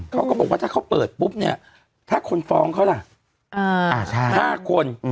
เขาก็บอกว่าถ้าเขาเปิดปุ๊บเนี่ยถ้าคนฟ้องเขาล่ะ๕คน